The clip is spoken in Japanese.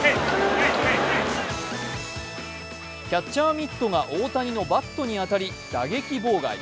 キャッチャーミットが大谷のバットに当たり、打撃妨害。